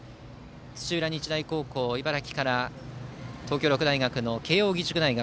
土浦日大高校、茨城から東京六大学の慶応義塾大学。